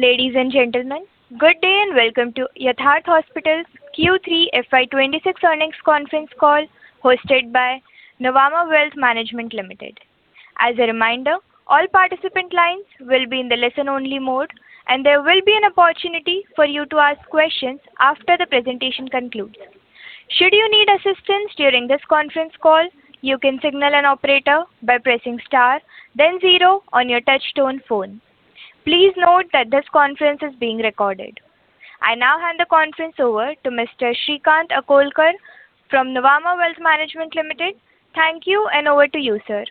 Ladies and gentlemen, good day and welcome to Yatharth Hospital's Q3 FY26 earnings conference call hosted by Nuvama Wealth Management Limited. As a reminder, all participant lines will be in the listen-only mode, and there will be an opportunity for you to ask questions after the presentation concludes. Should you need assistance during this conference call, you can signal an operator by pressing star, then zero on your touch-tone phone. Please note that this conference is being recorded. I now hand the conference over to Mr. Shrikant Akolkar from Nuvama Wealth Management Limited. Thank you, and over to you, sir.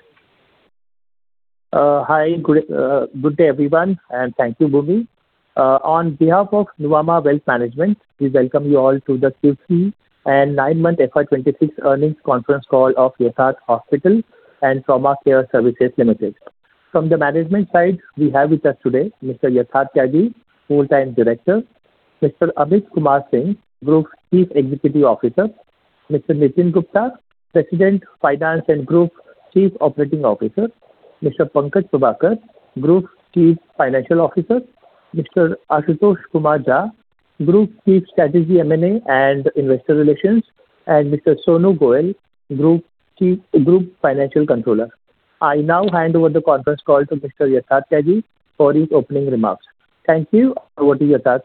Hi, good day everyone, and thank you, Bhumi. On behalf of Nuvama Wealth Management, we welcome you all to the Q3 and nine month FY26 earnings conference call of Yatharth Hospital & Trauma Care Services Limited. From the management side, we have with us today Mr. Yatharth Tyagi, Full-time Director, Mr. Amit Kumar Singh, Group Chief Executive Officer, Mr. Nitin Gupta, President, Finance, and Group Chief Operating Officer, Mr. Pankaj Prabhakar, Group Chief Financial Officer, Mr. Ashutosh Kumar Jha, Group Chief Strategy, M&A, and Investor Relations, and Mr. Sonu Goyal, Group Financial Controller. I now hand over the conference call to Mr. Yatharth Tyagi for his opening remarks. Thank you, and over to Yatharth.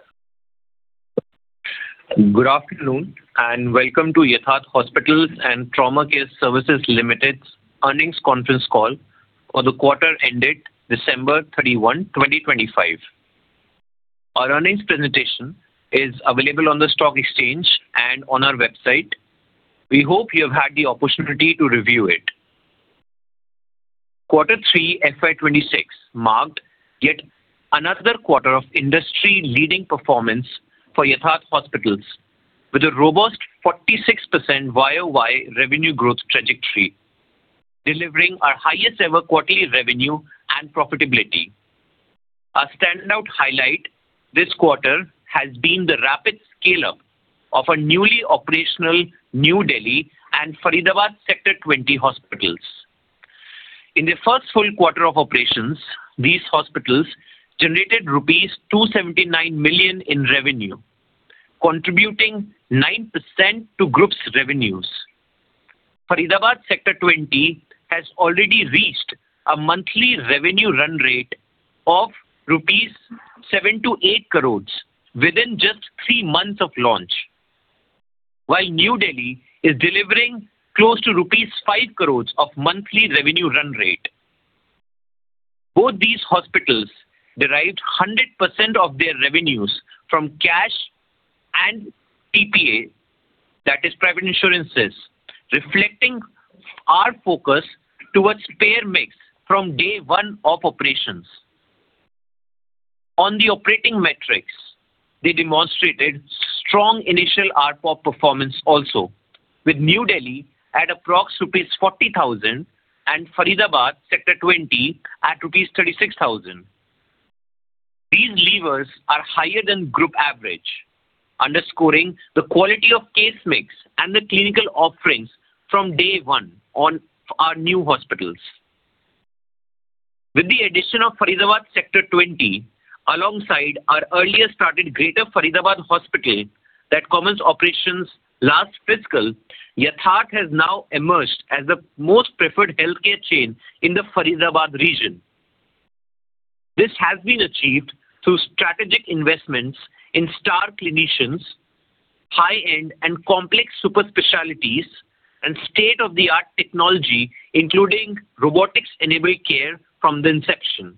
Good afternoon, and welcome to Yatharth Hospital & Trauma Care Services Limited's earnings conference call for the quarter ended December 31, 2025. Our earnings presentation is available on the stock exchange and on our website. We hope you have had the opportunity to review it. Quarter 3 FY26 marked yet another quarter of industry-leading performance for Yatharth Hospitals, with a robust 46% YOY revenue growth trajectory, delivering our highest-ever quarterly revenue and profitability. A standout highlight this quarter has been the rapid scale-up of our newly operational New Delhi and Faridabad Sector 20 hospitals. In their first full quarter of operations, these hospitals generated rupees 279 million in revenue, contributing 9% to group's revenues. Faridabad Sector 20 has already reached a monthly revenue run rate of rupees 7-8 crores within just three months of launch, while New Delhi is delivering close to rupees 5 crores of monthly revenue run rate. Both these hospitals derived 100% of their revenues from cash and PPA (Private Insurances), reflecting our focus toward payer mix from day one of operations. On the operating metrics, they demonstrated strong initial ARPOB performance also, with New Delhi at approx. Rupees 40,000 and Faridabad Sector 20 at rupees 36,000. These levers are higher than group average, underscoring the quality of case mix and the clinical offerings from day 1 on our new hospitals. With the addition of Faridabad Sector 20 alongside our earlier-started Greater Faridabad Hospital that commenced operations last fiscal, Yatharth has now emerged as the most preferred healthcare chain in the Faridabad region. This has been achieved through strategic investments in star clinicians, high-end and complex super specialties, and state-of-the-art technology including robotics-enabled care from the inception.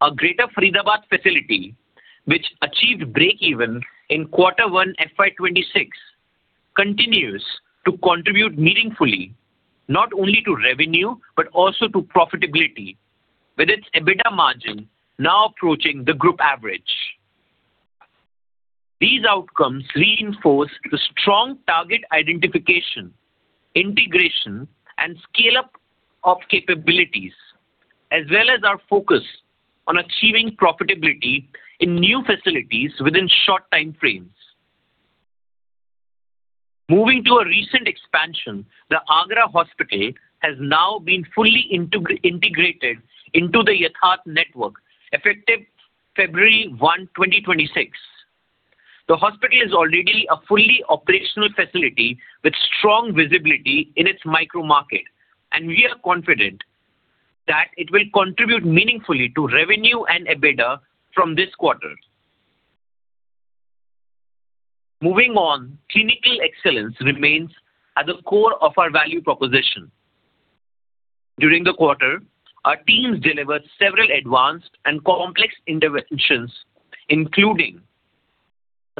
Our Greater Faridabad facility, which achieved break-even in Quarter 1 FY26, continues to contribute meaningfully not only to revenue but also to profitability, with its EBITDA margin now approaching the group average. These outcomes reinforce the strong target identification, integration, and scale-up of capabilities, as well as our focus on achieving profitability in new facilities within short time frames. Moving to a recent expansion, the Agra Hospital has now been fully integrated into the Yatharth network, effective February 1, 2026. The hospital is already a fully operational facility with strong visibility in its micro-market, and we are confident that it will contribute meaningfully to revenue and EBITDA from this quarter. Moving on, clinical excellence remains at the core of our value proposition. During the quarter, our teams delivered several advanced and complex interventions, including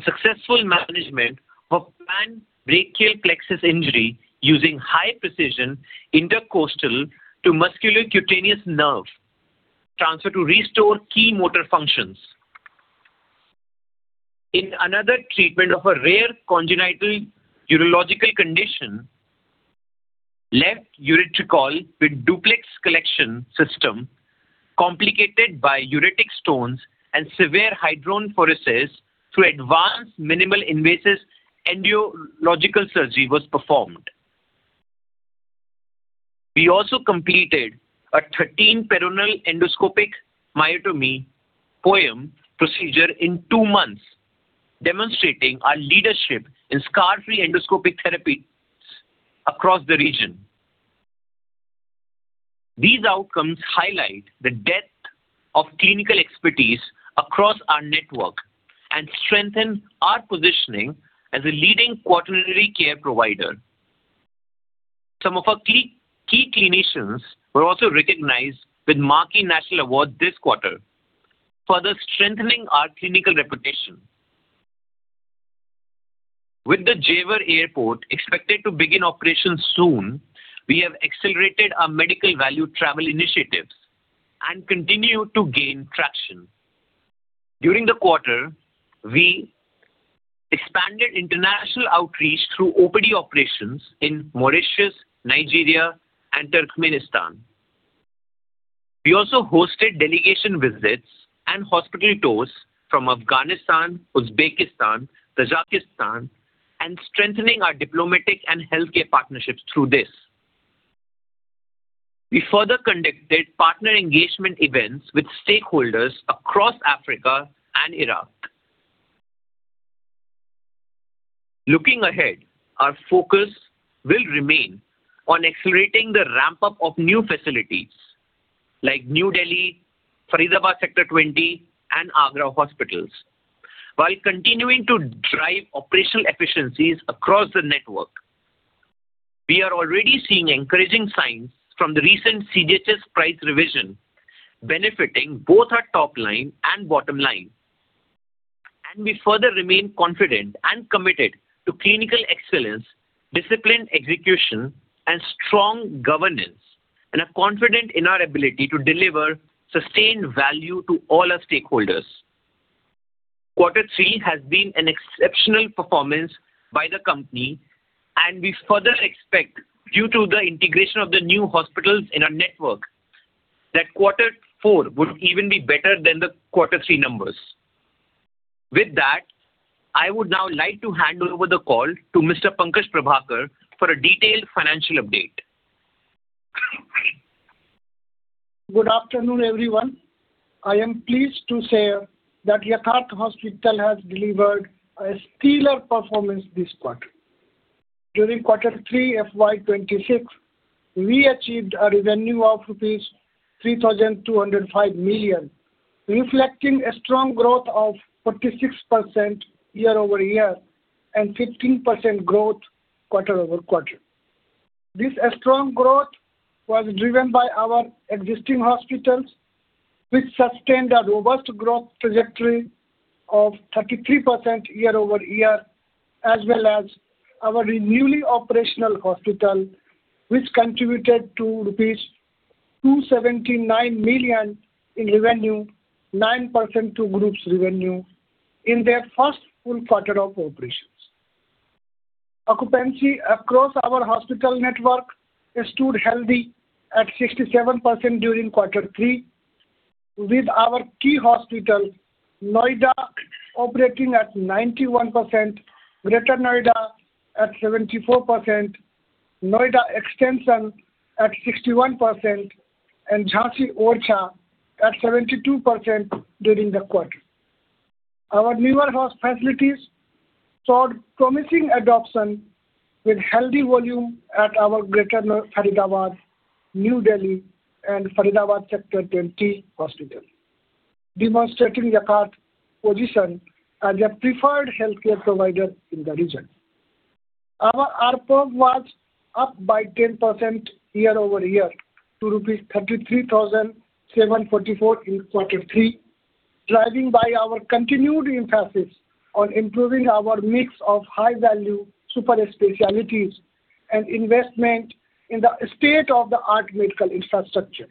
successful management of pan-plexus injury using high-precision intercostal to musculocutaneous nerve transfer to restore key motor functions. In another treatment of a rare congenital urological condition, left ureteral with duplex collection system complicated by ureteric stones and severe hydronephrosis through advanced minimally invasive endourological surgery was performed. We also completed a 13-peroral endoscopic myotomy (POEM) procedure in two months, demonstrating our leadership in scar-free endoscopic therapies across the region. These outcomes highlight the depth of clinical expertise across our network and strengthen our positioning as a leading quaternary care provider. Some of our key clinicians were also recognized with NARCHI National Awards this quarter, further strengthening our clinical reputation. With the Jewar Airport expected to begin operations soon, we have accelerated our medical value travel initiatives and continue to gain traction. During the quarter, we expanded international outreach through OPD operations in Mauritius, Nigeria, and Turkmenistan. We also hosted delegation visits and hospital tours from Afghanistan, Uzbekistan, Tajikistan, and strengthening our diplomatic and healthcare partnerships through this. We further conducted partner engagement events with stakeholders across Africa and Iraq. Looking ahead, our focus will remain on accelerating the ramp-up of new facilities like New Delhi, Faridabad Sector 20, and Agra Hospitals, while continuing to drive operational efficiencies across the network. We are already seeing encouraging signs from the recent CGHS price revision benefiting both our top line and bottom line, and we further remain confident and committed to clinical excellence, disciplined execution, and strong governance, and are confident in our ability to deliver sustained value to all our stakeholders. Quarter 3 has been an exceptional performance by the company, and we further expect, due to the integration of the new hospitals in our network, that Quarter 4 would even be better than the Quarter 3 numbers. With that, I would now like to hand over the call to Mr. Pankaj Prabhakar for a detailed financial update. Good afternoon, everyone. I am pleased to say that Yatharth Hospital has delivered a stellar performance this quarter. During Quarter 3 FY26, we achieved a revenue of rupees 3,205 million, reflecting a strong growth of 46% year-over-year and 15% growth quarter-over-quarter. This strong growth was driven by our existing hospitals, which sustained a robust growth trajectory of 33% year-over-year, as well as our newly operational hospital, which contributed to rupees 279 million in revenue, 9% to group's revenue, in their first full quarter of operations. Occupancy across our hospital network stood healthy at 67% during Quarter 3, with our key hospitals, Noida, operating at 91%, Greater Noida at 74%, Noida Extension at 61%, and Jhansi Orchha at 72% during the quarter. Our newer facilities saw promising adoption with healthy volume at our Greater Faridabad, New Delhi, and Faridabad Sector 20 hospitals, demonstrating Yatharth's position as a preferred healthcare provider in the region. Our ARPOB was up by 10% year-over-year to rupees 33,744 in Quarter 3, driving by our continued emphasis on improving our mix of high-value super specialties and investment in the state-of-the-art medical infrastructure.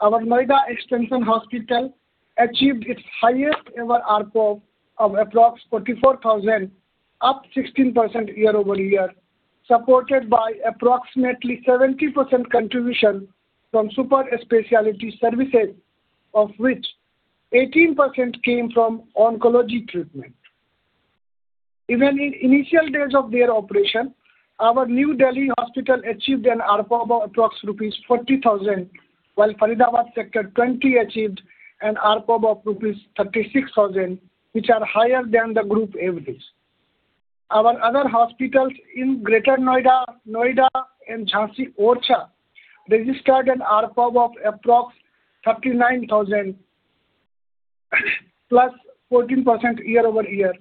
Our Noida Extension Hospital achieved its highest-ever ARPOB of approx. 44,000, up 16% year-over-year, supported by approx. 70% contribution from super specialty services, of which 18% came from oncology treatment. Even in initial days of their operation, our New Delhi hospital achieved an ARPOB of approx. Rupees 40,000, while Faridabad Sector 20 achieved an ARPOB of rupees 36,000, which are higher than the group average. Our other hospitals in Greater Noida and Jhansi Orchha registered an ARPOB of approx. 39,000, plus 14% year-over-year: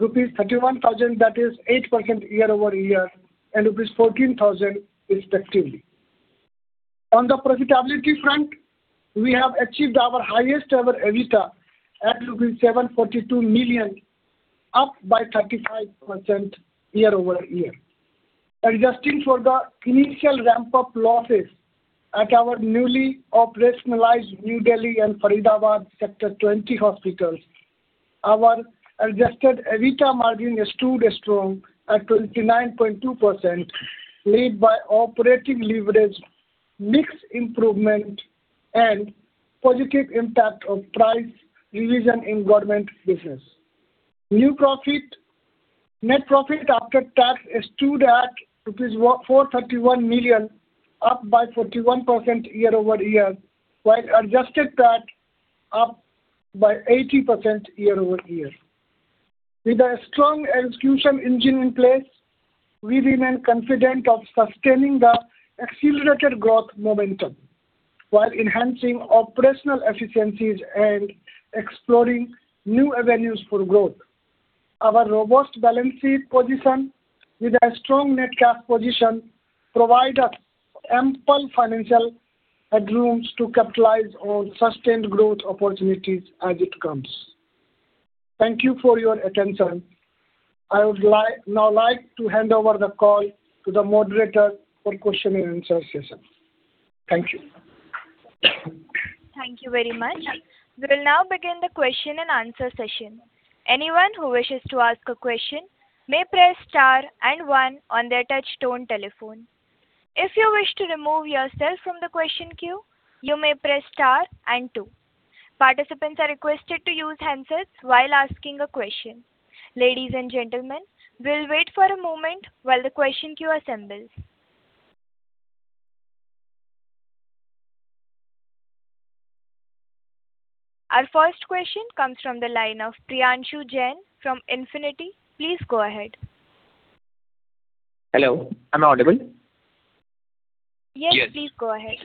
rupees 31,000, that is 8% year-over-year, and rupees 14,000, respectively. On the profitability front, we have achieved our highest-ever EBITDA at rupees 742 million, up by 35% year-over-year. Adjusting for the initial ramp-up losses at our newly operationalized New Delhi and Faridabad Sector 20 hospitals, our adjusted EBITDA margin stood strong at 29.2%, led by operating leverage, mixed improvement, and positive impact of price revision in government business. Net profit after tax stood at 431 million, up by 41% year-over-year, while adjusted tax up by 80% year-over-year. With a strong execution engine in place, we remain confident of sustaining the accelerated growth momentum while enhancing operational efficiencies and exploring new avenues for growth. Our robust balance sheet position, with a strong net cash position, provides us ample financial headroom to capitalize on sustained growth opportunities as it comes. Thank you for your attention. I would now like to hand over the call to the moderator for question and answer session. Thank you. Thank you very much. We will now begin the question and answer session. Anyone who wishes to ask a question may press star and one on their touch-tone telephone. If you wish to remove yourself from the question queue, you may press star and two. Participants are requested to use handsets while asking a question. Ladies and gentlemen, we'll wait for a moment while the question queue assembles. Our first question comes from the line of Priyanshu Jain from Infinity. Please go ahead. Hello. Am I audible? Yes. Yes. Please go ahead.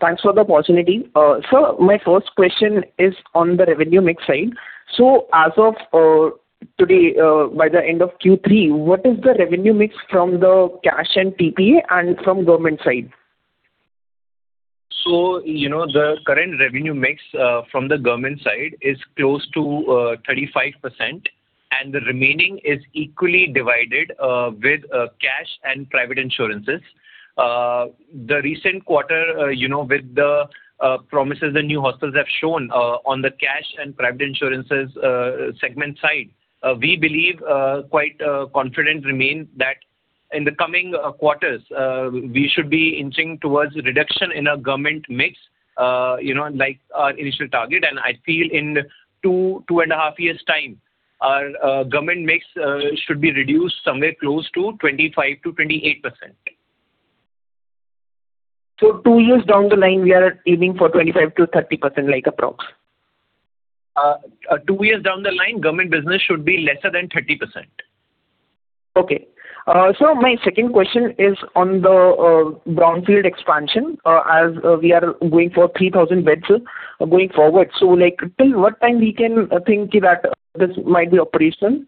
Thanks for the opportunity. Sir, my first question is on the revenue mix side. So, as of today, by the end of Q3, what is the revenue mix from the cash and PPA and from government side? The current revenue mix from the government side is close to 35%, and the remaining is equally divided with cash and private insurances. The recent quarter, with the promises the new hospitals have shown on the cash and private insurances segment side, we believe quite confident remain that in the coming quarters, we should be inching towards reduction in our government mix like our initial target. I feel in two and a half years' time, our government mix should be reduced somewhere close to 25%-28%. Two years down the line, we are aiming for 25%-30%, like approx. Two years down the line, government business should be lesser than 30%. Okay. So, my second question is on the brownfield expansion as we are going for 3,000 beds going forward. So, till what time do you think that this might be operational?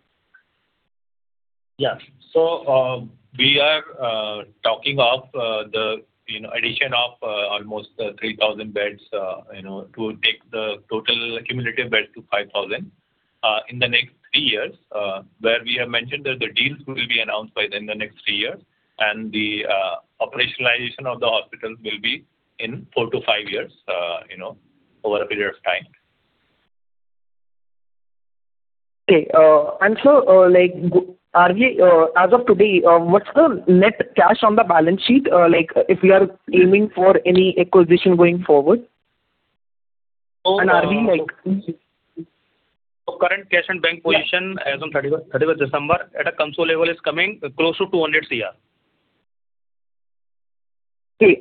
Yes. So, we are talking of the addition of almost 3,000 beds to take the total cumulative beds to 5,000 in the next three years, where we have mentioned that the deals will be announced in the next three years, and the operationalization of the hospitals will be in 4-5 years over a period of time. Okay. And, sir, are we as of today, what's the net cash on the balance sheet if we are aiming for any acquisition going forward? And are we? So, current cash and bank position as of 31st December at a consolidated level is coming close to 200 crore. Okay.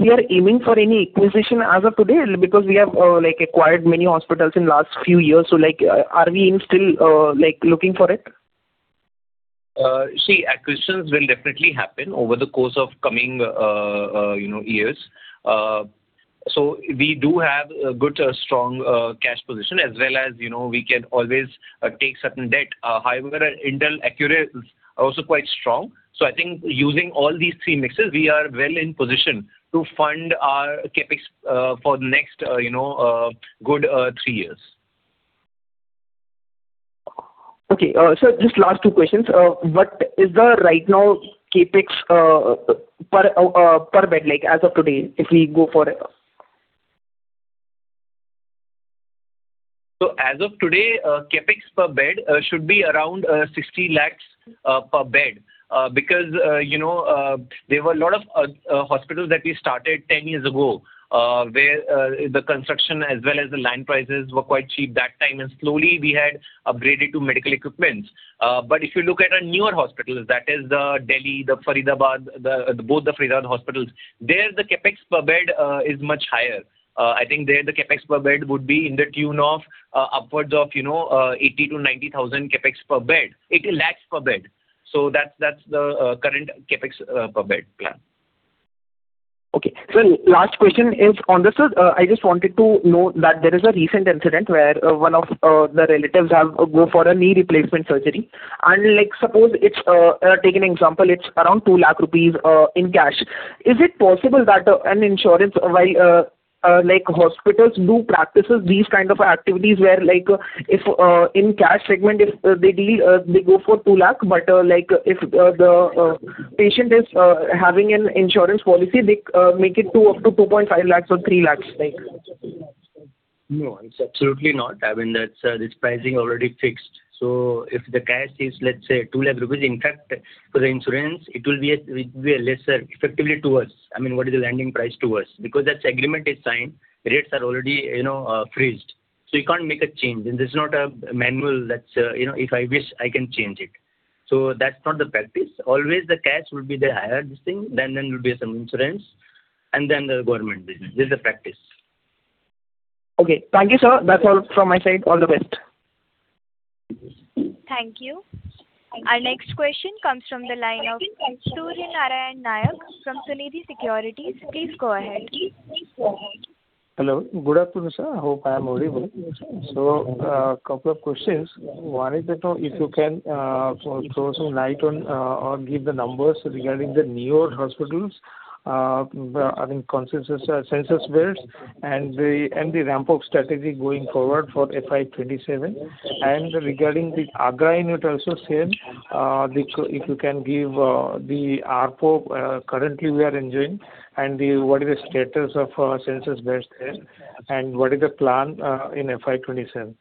We are aiming for any acquisition as of today because we have acquired many hospitals in the last few years. Are we still looking for it? See, acquisitions will definitely happen over the course of coming years. So, we do have a good strong cash position, as well as we can always take certain debt. However, internal accruals is also quite strong. So, I think using all these three mixes, we are well positioned to fund our CapEx for the next good three years. Okay. Sir, just last two questions. What is the right now CapEx per bed as of today if we go for it? As of today, CapEx per bed should be around 60 lakhs per bed because there were a lot of hospitals that we started 10 years ago where the construction, as well as the land prices, were quite cheap that time. Slowly, we had upgraded to medical equipment. If you look at our newer hospitals, that is New Delhi, both the Faridabad hospitals, there the CapEx per bed is much higher. I think there the CapEx per bed would be to the tune of upwards of 80-90 lakhs CapEx per bed. That's the current CapEx per bed plan. Okay. Sir, last question is on this. Sir, I just wanted to know that there is a recent incident where one of the relatives goes for a knee replacement surgery. And suppose it's taken an example, it's around 2 lakh rupees in cash. Is it possible that an insurance, while hospitals do practice these kinds of activities where in cash segment, if they go for 2 lakh, but if the patient is having an insurance policy, they make it up to 2.5 lakhs or 3 lakhs? No, it's absolutely not. I mean, that's pricing already fixed. So, if the cash is, let's say, 2 lakh rupees in fact, for the insurance, it will be lesser, effectively to us. I mean, what is the landing price to us? Because that agreement is signed, rates are already frozen. So, you can't make a change. And this is not a manner that if I wish, I can change it. So, that's not the practice. Always, the cash will be the higher this thing, then there will be some insurance, and then the government business. This is the practice. Okay. Thank you, sir. That's all from my side. All the best. Thank you. Our next question comes from the line of Surya Narayan Nayak from Sunidhi Securities. Please go ahead. Hello. Good afternoon, sir. I hope I am audible. So, a couple of questions. One is that if you can throw some light on or give the numbers regarding the newer hospitals, I think census beds and the ramp-up strategy going forward for FY27. And regarding the Agra unit, also same, if you can give the ARPOB currently we are enjoying and what is the status of census beds there and what is the plan in FY27.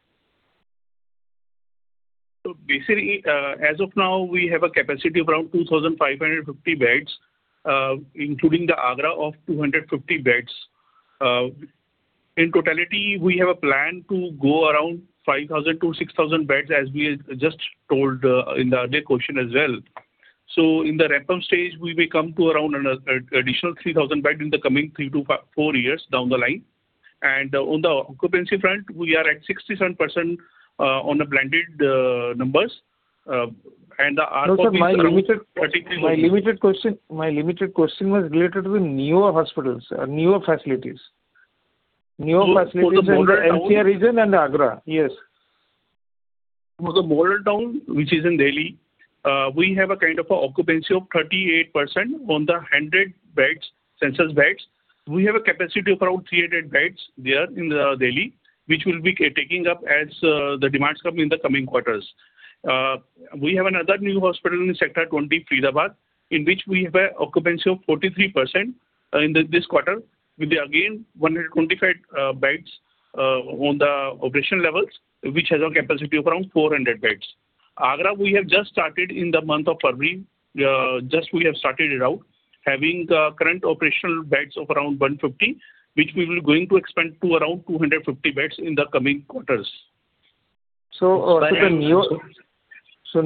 Basically, as of now, we have a capacity of around 2,550 beds, including the Agra of 250 beds. In totality, we have a plan to go around 5,000-6,000 beds, as we just told in the earlier question as well. So, in the ramp-up stage, we will come to around an additional 3,000 beds in the coming three to four years down the line. On the occupancy front, we are at 67% on the blended numbers. And the ARPOB is 33%. No, sir. My limited question was related to the newer hospitals, newer facilities. Newer facilities in the NCR region and Agra. Yes. For the Model Town, which is in New Delhi, we have a kind of occupancy of 38% on the 100 beds census beds. We have a capacity of around 300 beds there in New Delhi, which will be taking up as the demands come in the coming quarters. We have another new hospital in Sector 20, Faridabad, in which we have an occupancy of 43% in this quarter with, again, 125 beds on the operation levels, which has a capacity of around 400 beds. Agra, we have just started in the month of February. Just we have started it out, having current operational beds of around 150, which we will be going to expand to around 250 beds in the coming quarters. For the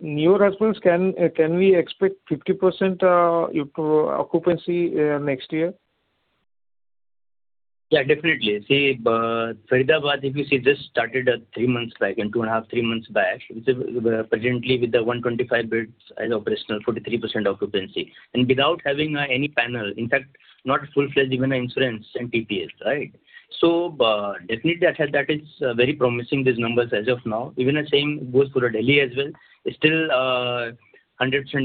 newer hospitals, can we expect 50% occupancy next year? Yeah, definitely. See, Faridabad, if you see, just started three months back and two and a half, three months back, presently with the 125 beds as operational, 43% occupancy. And without having any panel, in fact, not full-fledged even insurance and PPA, right? So, definitely, that is very promising, these numbers as of now. Even the same goes for Delhi as well. Still, 100%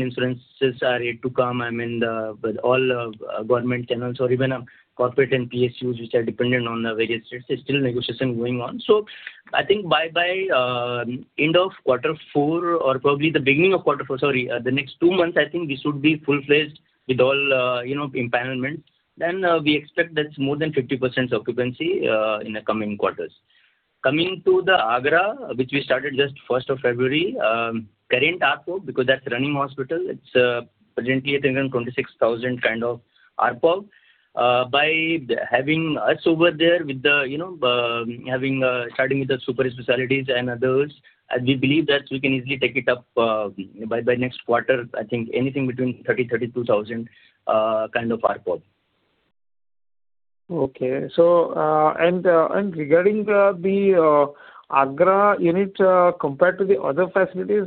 insurances are yet to come. I mean, with all government channels or even corporate and PSUs, which are dependent on the various states, still negotiation going on. So, I think by the end of quarter four or probably the beginning of quarter four, sorry, the next two months, I think we should be full-fledged with all empowerments. Then we expect that's more than 50% occupancy in the coming quarters. Coming to the Agra, which we started just 1st of February, current ARPOB, because that's running hospital, it's presently, I think, around 26,000 kind of ARPOB. By having us over there with the starting with the super specialties and others, we believe that we can easily take it up by the next quarter, I think, anything between 30,000-32,000 kind of RPOF. Okay. And regarding the Agra unit compared to the other facilities,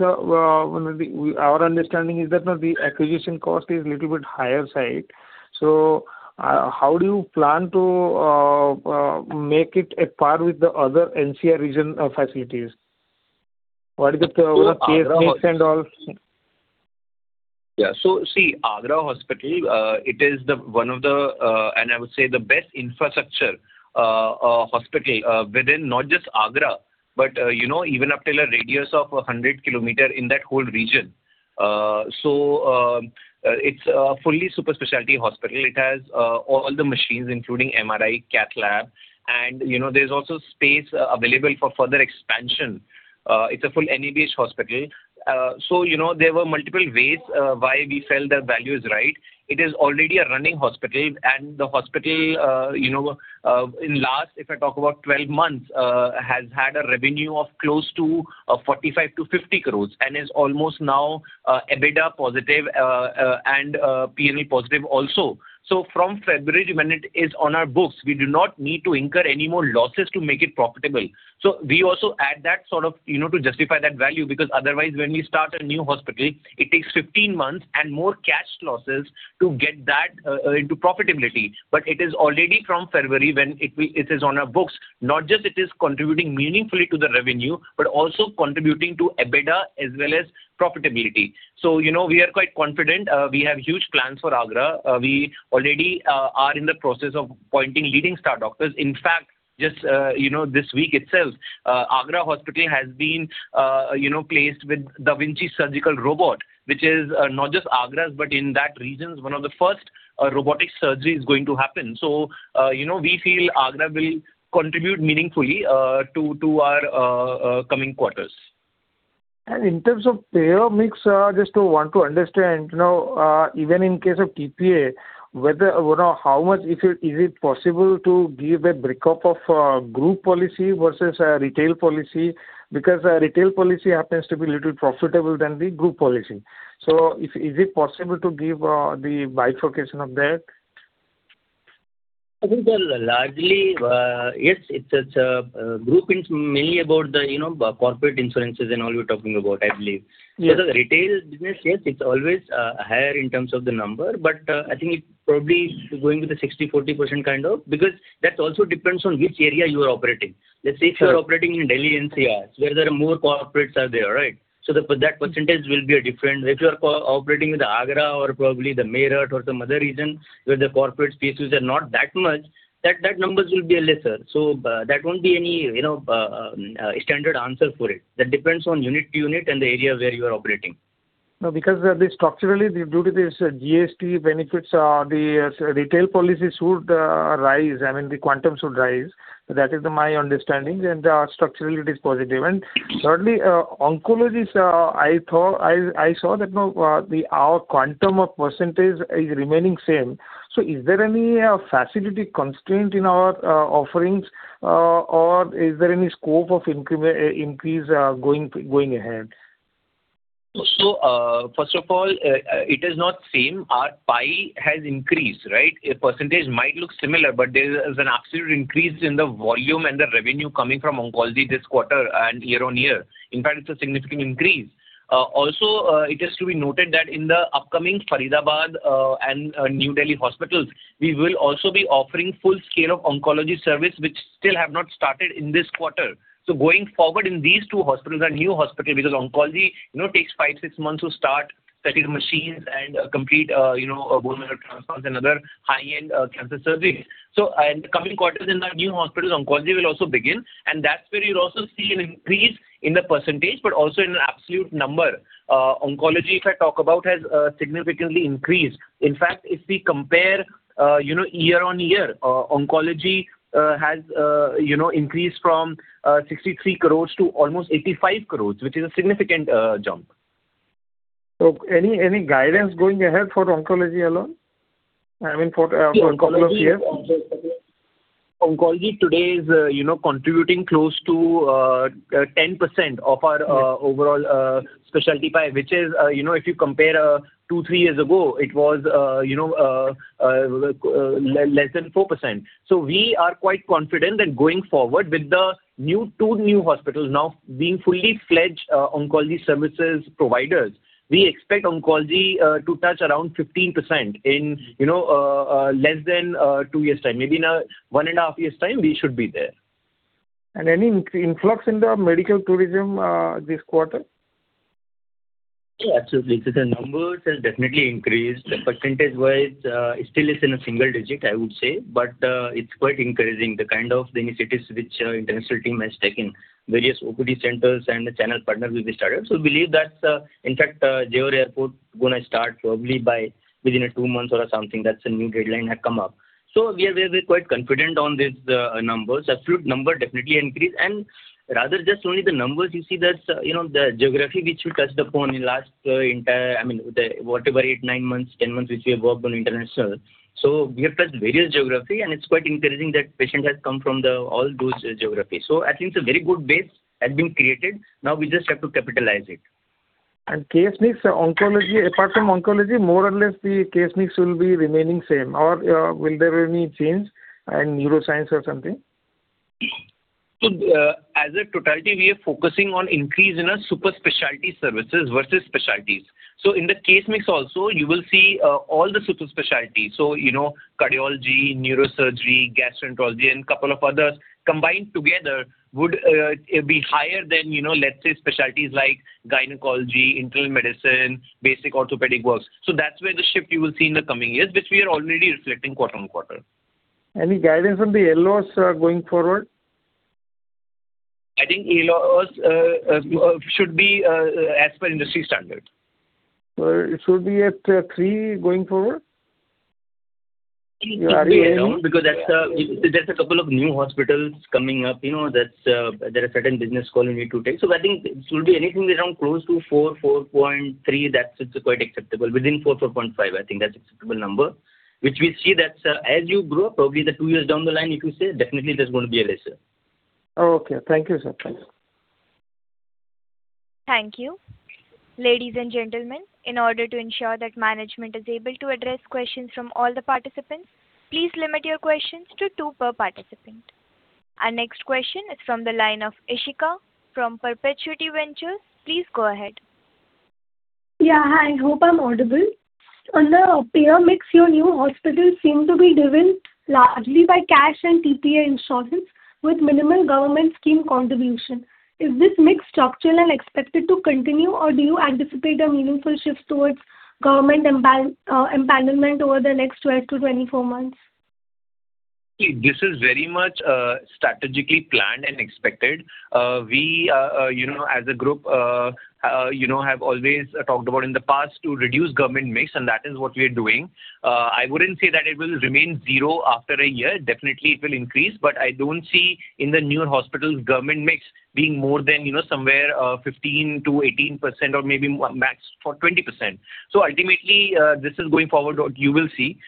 our understanding is that the acquisition cost is a little bit higher side. So, how do you plan to make it at par with the other MCR region facilities? What is the case mix and all? Yeah. So, see, Agra Hospital, it is one of the, and I would say, the best infrastructure hospital within not just Agra, but even up till a radius of 100 kilometers in that whole region. So, it's a fully super specialty hospital. It has all the machines, including MRI, Cath Lab. And there's also space available for further expansion. It's a full NABH hospital. So, there were multiple ways why we felt the value is right. It is already a running hospital. And the hospital, in last, if I talk about 12 months, has had a revenue of close to 45 crore-50 crore and is almost now EBITDA positive and P&L positive also. So, from February, when it is on our books, we do not need to incur any more losses to make it profitable. So, we also add that sort of to justify that value because otherwise, when we start a new hospital, it takes 15 months and more cash losses to get that into profitability. But it is already from February when it is on our books. Not just it is contributing meaningfully to the revenue, but also contributing to EBITDA as well as profitability. So, we are quite confident. We have huge plans for Agra. We already are in the process of appointing leading star doctors. In fact, just this week itself, Agra Hospital has been placed with da Vinci Surgical System, which is not just Agra's, but in that region's one of the first robotic surgeries going to happen. So, we feel Agra will contribute meaningfully to our coming quarters. In terms of payer mix, just want to understand, even in case of PPA, how much is it possible to give a breakup of group policy versus retail policy? Because retail policy happens to be a little profitable than the group policy. So, is it possible to give the bifurcation of that? I think largely, yes, it's a group. It's mainly about the corporate insurances and all you're talking about, I believe. For the retail business, yes, it's always higher in terms of the number. But I think it's probably going with the 60%-40% kind of because that also depends on which area you are operating. Let's say if you are operating in Delhi NCRs, where there are more corporates are there, right? So, that percentage will be different. If you are operating with Agra or probably the Meerut or some other region where the corporate spaces are not that much, that number will be lesser. So, that won't be any standard answer for it. That depends on unit to unit and the area where you are operating. No, because structurally, due to these GST benefits, the retail policy should rise. I mean, the quantum should rise. That is my understanding. And structurally, it is positive. And thirdly, oncologists, I saw that our quantum of percentage is remaining same. So, is there any facility constraint in our offerings or is there any scope of increase going ahead? So, first of all, it is not same. Our pie has increased, right? Percentage might look similar, but there is an absolute increase in the volume and the revenue coming from oncology this quarter and year-on-year. In fact, it's a significant increase. Also, it has to be noted that in the upcoming Faridabad and New Delhi hospitals, we will also be offering full-scale oncology service, which still have not started in this quarter. So, going forward, in these two hospitals, our new hospital, because oncology takes five, six months to start, set in machines, and complete bone marrow transplants and other high-end cancer surgeries. So, in the coming quarters in our new hospitals, oncology will also begin. And that's where you'll also see an increase in the percentage, but also in an absolute number. Oncology, if I talk about, has significantly increased. In fact, if we compare year-over-year, oncology has increased from 63 crores to almost 85 crores, which is a significant jump. So, any guidance going ahead for oncology alone? I mean, for a couple of years. Oncology today is contributing close to 10% of our overall specialty pie, which is, if you compare two to three years ago, it was less than 4%. So, we are quite confident that going forward, with the two new hospitals now being fully fledged oncology services providers, we expect oncology to touch around 15% in less than two years' time. Maybe in 1.5 years' time, we should be there. Any influx in the medical tourism this quarter? Yeah, absolutely. Because the numbers have definitely increased. Percentage-wise, it still is in a single digit, I would say. But it's quite encouraging, the kind of initiatives which the international team has taken, various OPD centers and the channel partners we started. So, we believe that's, in fact, Jewar Airport going to start probably within two months or something. That's a new deadline that has come up. So, we are quite confident on these numbers. Absolute number definitely increased. And rather just only the numbers, you see that the geography, which we touched upon in last, I mean, whatever eight, nine months, 10 months, which we have worked on international. So, we have touched various geography. And it's quite encouraging that patient has come from all those geographies. So, at least a very good base has been created. Now, we just have to capitalize it. Case mix, apart from oncology, more or less the case mix will be remaining same? Or will there be any change in neuroscience or something? So, as a totality, we are focusing on increase in our super specialty services versus specialties. So, in the case mix also, you will see all the super specialties. So, cardiology, neurosurgery, gastroenterology, and a couple of others combined together would be higher than, let's say, specialties like gynecology, internal medicine, basic orthopedic works. So, that's where the shift you will see in the coming years, which we are already reflecting quarter-on-quarter. Any guidance on the ALOS going forward? I think ALOS should be as per industry standard. So, it should be at three going forward? It should be around because there's a couple of new hospitals coming up. There are certain business calling me to take. So, I think it will be anything around close to 4-4.3. That's quite acceptable. Within 4-4.5, I think that's an acceptable number, which we see that's as you grow, probably the two years down the line, if you say, definitely there's going to be a lesser. Okay. Thank you, sir. Thanks. Thank you. Ladies and gentlemen, in order to ensure that management is able to address questions from all the participants, please limit your questions to two per participant. Our next question is from the line of Ishika from Perpetuity Ventures. Please go ahead. Yeah. Hi. I hope I'm audible. On the payer mix, your new hospitals seem to be driven largely by cash and PPA insurance with minimal government scheme contribution. Is this mix structural and expected to continue, or do you anticipate a meaningful shift towards government payers over the next 12-24 months? See, this is very much strategically planned and expected. We, as a group, have always talked about in the past to reduce government mix, and that is what we are doing. I wouldn't say that it will remain zero after a year. Definitely, it will increase. But I don't see in the new hospitals government mix being more than somewhere 15%-18% or maybe max for 20%. So, ultimately, this is going forward, what you will see.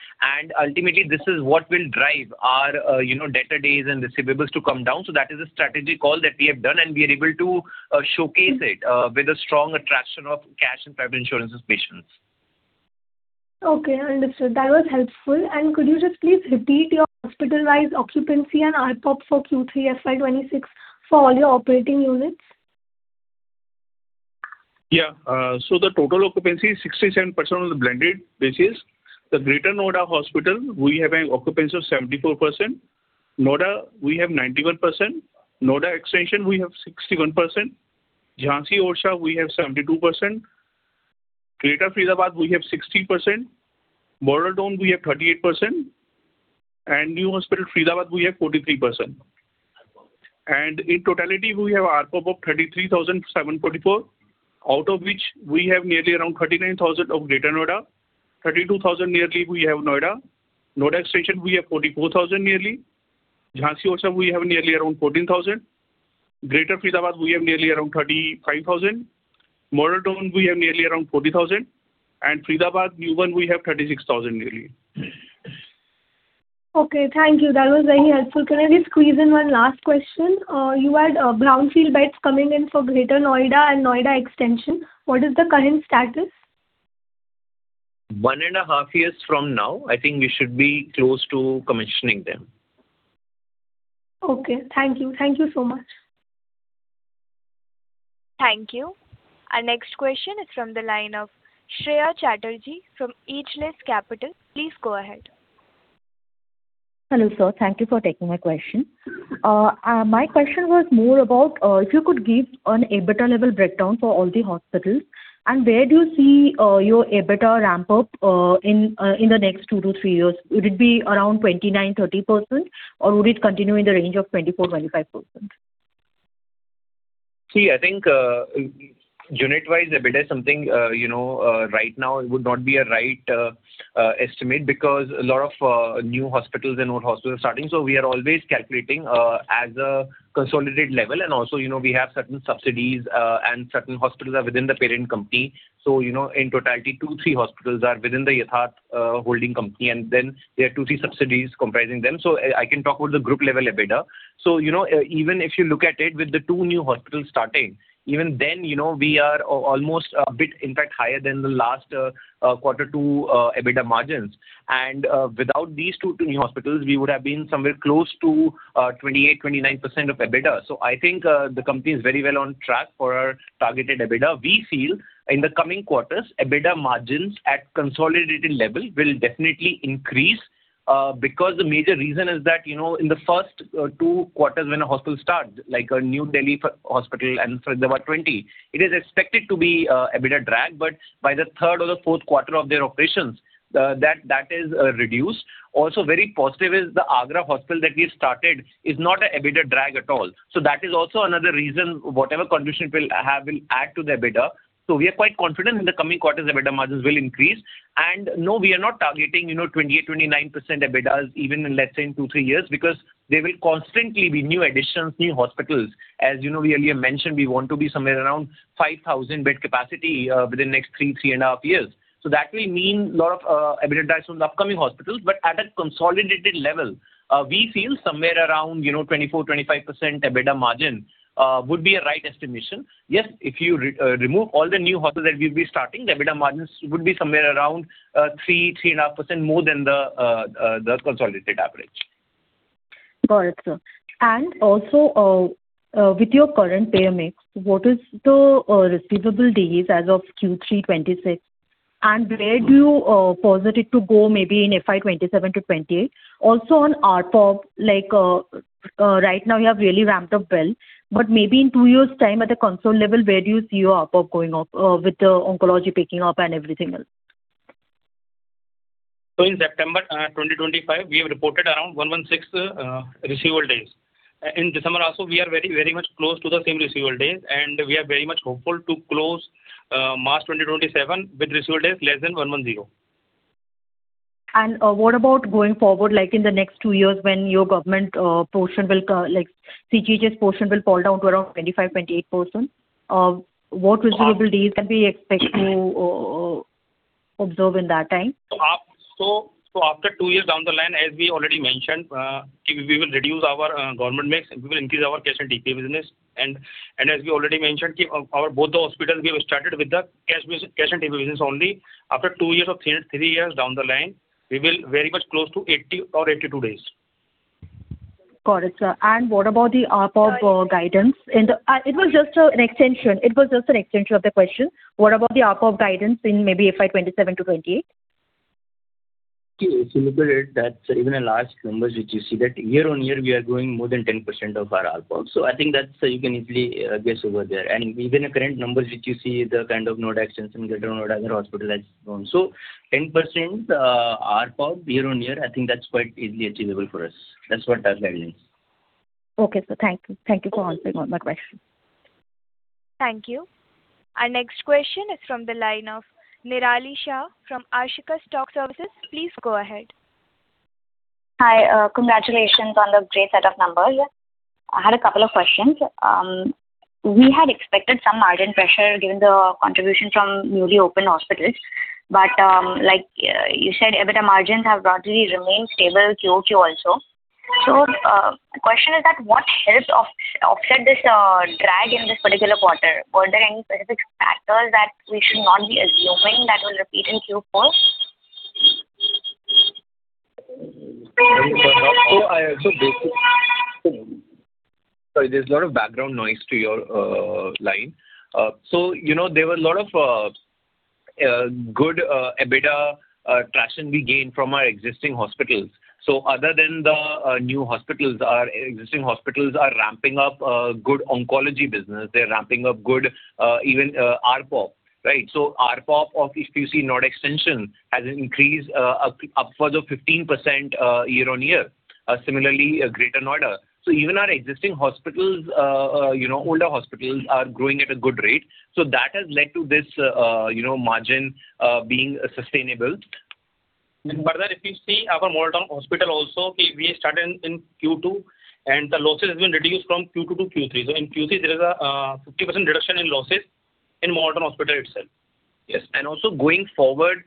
Ultimately, this is what will drive our debtor days and receivables to come down. So, that is a strategic call that we have done, and we are able to showcase it with a strong attraction of cash and private insurance patients. Okay. Understood. That was helpful. And could you just please repeat your hospital-wise occupancy and RPOF for Q3, FY26 for all your operating units? Yeah. So, the total occupancy is 67% on the blended basis. The Greater Noida Hospital, we have an occupancy of 74%. Noida, we have 91%. Noida Extension, we have 61%. Jhansi Orchha, we have 72%. Greater Faridabad, we have 60%. Model Town, we have 38%. And new hospital, Faridabad, we have 43%. And in totality, we have ARPOB of 33,744, out of which we have nearly around 39,000 of Greater Noida. 32,000 nearly, we have Noida. Noida Extension, we have 44,000 nearly. Jhansi Orchha, we have nearly around 14,000. Greater Faridabad, we have nearly around 35,000. Model Town, we have nearly around 40,000. And Faridabad new one, we have 36,000 nearly. Okay. Thank you. That was very helpful. Can I just squeeze in one last question? You had brownfield beds coming in for Greater Noida and Noida Extension. What is the current status? 1.5 years from now, I think we should be close to commissioning them. Okay. Thank you. Thank you so much. Thank you. Our next question is from the line of Shreya Chatterjee from Ageless Capital. Please go ahead. Hello, sir. Thank you for taking my question. My question was more about if you could give an EBITDA level breakdown for all the hospitals, and where do you see your EBITDA ramp-up in the next two to three years? Would it be around 29, 30%, or would it continue in the range of 24%-25%? See, I think unit-wise, EBITDA is something right now; it would not be a right estimate because a lot of new hospitals and old hospitals are starting. So, we are always calculating as a consolidated level. And also, we have certain subsidiaries, and certain hospitals are within the parent company. So, in totality, two to three hospitals are within the Yatharth Holding Company, and then there are two to three subsidiaries comprising them. So, I can talk about the group-level EBITDA. So, even if you look at it with the two new hospitals starting, even then, we are almost a bit, in fact, higher than the last quarter to EBITDA margins. And without these two new hospitals, we would have been somewhere close to 28%-29% EBITDA. So, I think the company is very well on track for our targeted EBITDA. We feel in the coming quarters, EBITDA margins at consolidated level will definitely increase because the major reason is that in the first two quarters when a hospital starts, like New Delhi Hospital and Faridabad 20, it is expected to be EBITDA drag. But by the third or the fourth quarter of their operations, that is reduced. Also, very positive is the Agra Hospital that we have started is not an EBITDA drag at all. So, that is also another reason whatever contribution it will have will add to the EBITDA. So, we are quite confident in the coming quarters, EBITDA margins will increase. And no, we are not targeting 28%-29% EBITDAs even in, let's say, two to three years because there will constantly be new additions, new hospitals. As we earlier mentioned, we want to be somewhere around 5,000-bed capacity within the next 3, 3.5 years. So, that will mean a lot of EBITDA drags from the upcoming hospitals. But at a consolidated level, we feel somewhere around 24%-25% EBITDA margin would be a right estimation. Yes, if you remove all the new hospitals that we'll be starting, the EBITDA margins would be somewhere around 3%-3.5% more than the consolidated average. Got it, sir. Also, with your current payer mix, what is the receivable days as of Q326? And where do you posit it to go maybe in FY27 to 28? Also, on ARPOB, right now, you have really ramped up well. But maybe in two years' time at the console level, where do you see your ARPOB going up with the oncology picking up and everything else? In September 2025, we have reported around 116 receivable days. In December also, we are very, very much close to the same receivable days. We are very much hopeful to close March 2027 with receivable days less than 110. What about going forward, like in the next two years when your government portion will, like CGHS's portion will fall down to around 25%-28%? What receivable days can we expect to observe in that time? After two years down the line, as we already mentioned, we will reduce our government mix. We will increase our cash and PPA business. As we already mentioned, both the hospitals we have started with the cash and PPA business only. After two years or three years down the line, we will be very much close to 80 or 82 days. Got it, sir. What about the ARPOB guidance? It was just an extension. It was just an extension of the question. What about the ARPOB guidance in maybe FY 2027 to 2028? See, if you look at even the last numbers, which you see that year-on-year, we are growing more than 10% of our ARPOB. So, I think that you can easily guess over there. And even the current numbers, which you see, the kind of Noida Extension, Greater Noida, other hospitals have grown. So, 10% ARPOB year-on-year, I think that's quite easily achievable for us. That's what our guidance is. Okay, sir. Thank you. Thank you for answering all my questions. Thank you. Our next question is from the line of Nirali Shah from Ashika Stock Broking. Please go ahead. Hi. Congratulations on the great set of numbers. I had a couple of questions. We had expected some margin pressure given the contribution from newly opened hospitals. But like you said, EBITDA margins have broadly remained stable QOQ also. So, the question is that what helped offset this drag in this particular quarter? Were there any specific factors that we should not be assuming that will repeat in Q4? So, I also basically, sorry, there's a lot of background noise to your line. So, there was a lot of good EBITDA traction we gained from our existing hospitals. So, other than the new hospitals, our existing hospitals are ramping up good oncology business. They're ramping up good even ARPOB, right? So, ARPOB of, if you see, Noida Extension has increased upwards of 15% year-on-year. Similarly, Greater Noida. So, even our existing hospitals, older hospitals, are growing at a good rate. So, that has led to this margin being sustainable. And further, if you see our Model Town Hospital also, we started in Q2, and the losses have been reduced from Q2 to Q3. So, in Q3, there is a 50% reduction in losses in Model Town Hospital itself. Yes. Also, going forward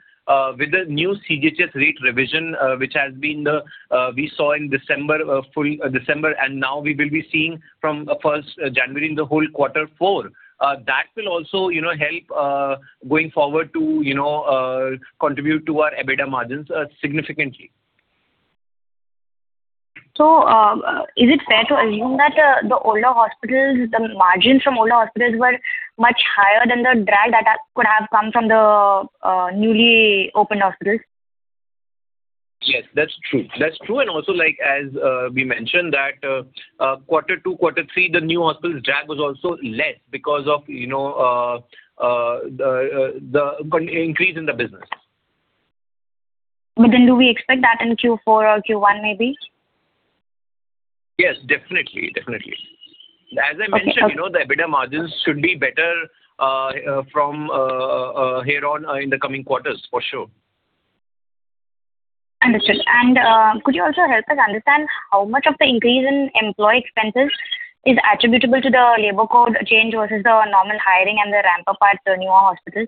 with the new CGHS rate revision, which we saw in December, and now we will be seeing from 1st January in the whole quarter four, that will also help going forward to contribute to our EBITDA margins significantly. Is it fair to assume that the older hospitals, the margins from older hospitals were much higher than the drag that could have come from the newly opened hospitals? Yes, that's true. That's true. And also, as we mentioned, that quarter two, quarter three, the new hospitals' drag was also less because of the increase in the business. But then do we expect that in Q4 or Q1 maybe? Yes, definitely, definitely. As I mentioned, the EBITDA margins should be better from here on in the coming quarters, for sure. Understood. Could you also help us understand how much of the increase in employee expenses is attributable to the labor code change versus the normal hiring and the ramp-up at the newer hospitals?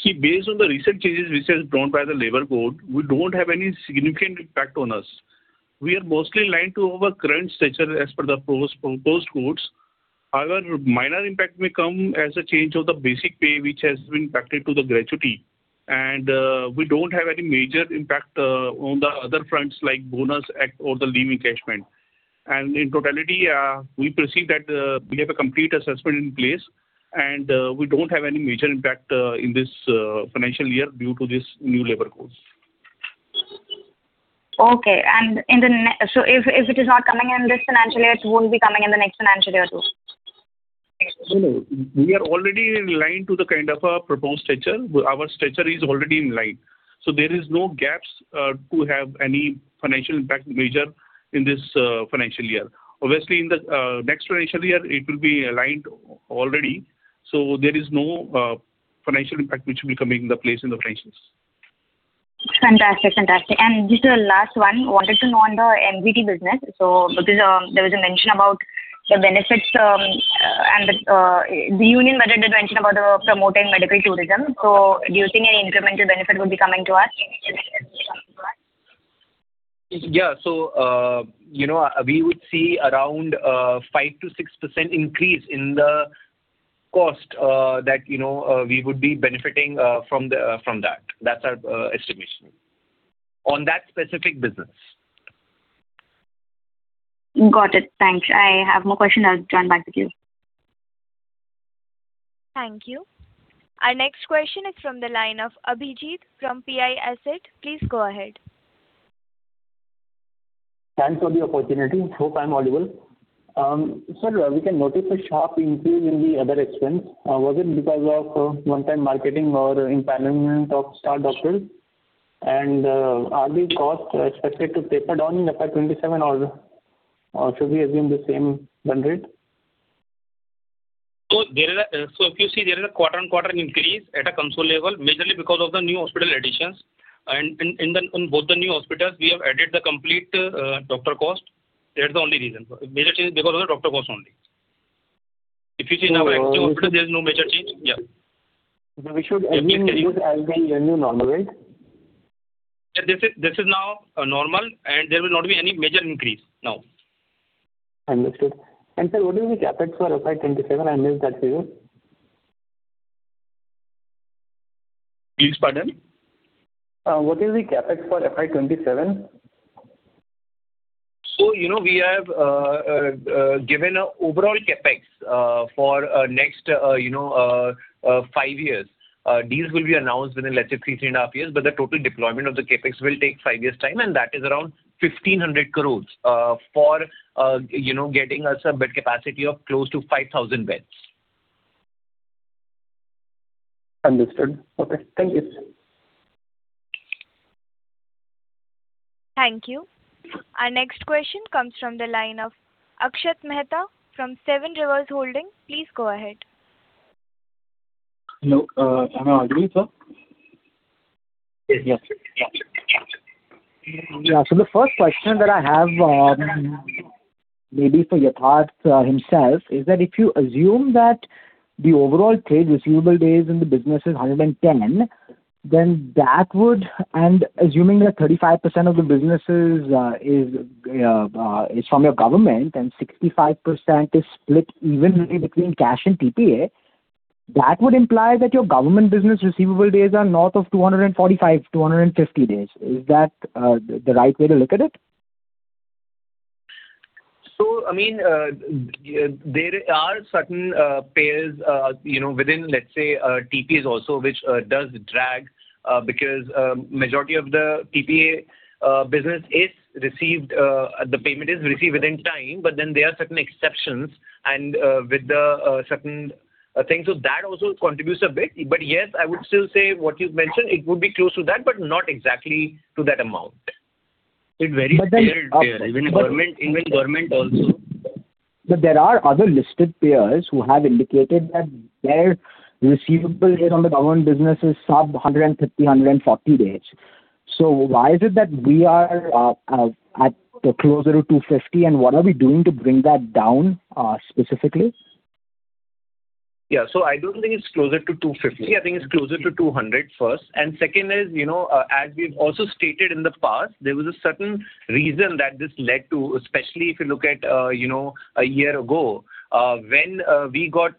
See, based on the recent changes which have been drawn by the labor code, we don't have any significant impact on us. We are mostly aligned to our current stature as per the proposed codes. However, minor impact may come as a change of the basic pay, which has been packaged to the gratuity. We don't have any major impact on the other fronts like bonus act or the leave encashment. In totality, we perceive that we have a complete assessment in place, and we don't have any major impact in this financial year due to this new labor code. Okay. And so, if it is not coming in this financial year, it won't be coming in the next financial year too? No, no. We are already aligned to the kind of proposed stature. Our stature is already in line. So, there are no gaps to have any financial impact major in this financial year. Obviously, in the next financial year, it will be aligned already. So, there is no financial impact which will be coming into place in the financials. Fantastic, fantastic. And just a last one, wanted to know on the MVT business because there was a mention about the benefits, and the Union Budget did mention about promoting medical tourism. So, do you think any incremental benefit would be coming to us? Yeah. We would see around 5%-6% increase in the cost that we would be benefiting from that. That's our estimation on that specific business. Got it. Thanks. I have more questions. I'll join back with you. Thank you. Our next question is from the line of Abhijit from PI Asset. Please go ahead. Thanks for the opportunity. Hope I'm audible. Sir, we can notice a sharp increase in the other expense. Was it because of one-time marketing or empowerment of star doctors? Are the costs expected to taper down in FY27, or should we assume the same run rate? If you see, there is a quarter-on-quarter increase at a consolidated level, majorly because of the new hospital additions. In both the new hospitals, we have added the complete doctor cost. That's the only reason. Major change because of the doctor cost only. If you see in our existing hospitals, there is no major change. Yeah. So, we should increase as the year-new normal rate? Yeah, this is now normal, and there will not be any major increase now. Understood. And sir, what is the CapEx for FY27? I missed that for you. Please pardon? What is the Capex for FY27? We have given an overall Capex for next five years. Deals will be announced within, let's say, 3, 3.5 years. But the total deployment of the Capex will take five years' time, and that is around 1,500 crore for getting us a bed capacity of close to 5,000 beds. Understood. Okay. Thank you. Thank you. Our next question comes from the line of Akshat Mehta from Seven Rivers Holdings. Please go ahead. Hello. Am I audible, sir? Yes, yes, yes, yes, yes. Yeah. So, the first question that I have maybe for Yatharth himself is that if you assume that the overall trade receivable days in the business is 110, then that would and assuming that 35% of the businesses is from your government and 65% is split evenly between cash and PPA, that would imply that your government business receivable days are north of 245, 250 days. Is that the right way to look at it? So, I mean, there are certain payers within, let's say, TPS also, which does drag because the majority of the PPA business is received, the payment is received within time. But then there are certain exceptions with certain things. So, that also contributes a bit. But yes, I would still say what you've mentioned; it would be close to that, but not exactly to that amount. It varies here and there. Even government also. But there are other listed payers who have indicated that their receivable days on the government business is sub 150, 140 days. So, why is it that we are closer to 250, and what are we doing to bring that down specifically? Yeah. So, I don't think it's closer to 250. I think it's closer to 200 first. And second is, as we've also stated in the past, there was a certain reason that this led to especially if you look at a year ago, when we got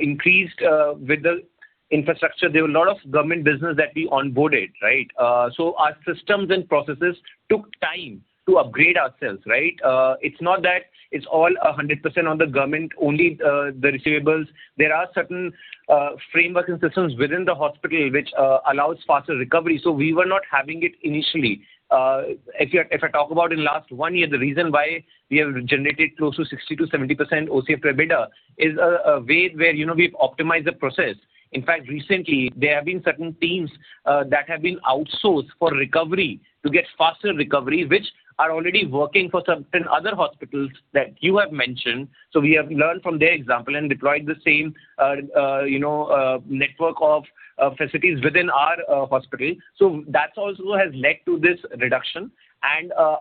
increased with the infrastructure, there were a lot of government business that we onboarded, right? So, our systems and processes took time to upgrade ourselves, right? It's not that it's all 100% on the government, only the receivables. There are certain frameworks and systems within the hospital which allow faster recovery. So, we were not having it initially. If I talk about in the last one year, the reason why we have generated close to 60%-70% OCF to EBITDA is a way where we've optimized the process. In fact, recently, there have been certain teams that have been outsourced for recovery to get faster recovery, which are already working for certain other hospitals that you have mentioned. So, we have learned from their example and deployed the same network of facilities within our hospital. So, that also has led to this reduction.